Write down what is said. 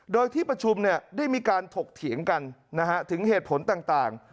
โดยที่ประชุมเนี่ยได้มีการถกเถียงกันนะฮะถึงเหตุผลต่างต่าง